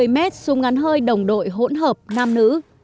một mươi mét súng ngắn hơi đồng đội hỗn hợp nam nữ